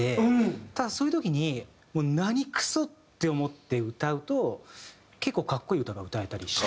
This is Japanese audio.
ただそういう時に何クソ！って思って歌うと結構格好いい歌が歌えたりして。